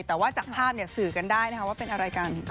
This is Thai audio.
แต่ว่าจากภาพสื่อกันได้นะคะว่าเป็นอะไรกัน